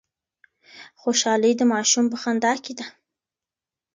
خوشحالي د ماشوم په خندا کي ده.